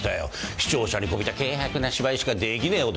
視聴者にこびた軽薄な芝居しかできねえ男だぞ。